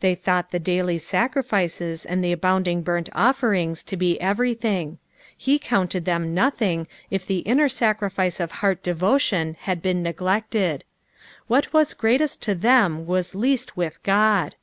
Thej thought the daily sacrifices and the abounding burnt offerings to be everything : he counted them nothing if the inner sacrifice of heart devotion had been neglected. What was greatest with them was least with Ood.